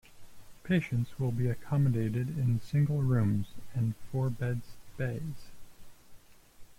Patients will be accommodated in single rooms, and four-bed bays.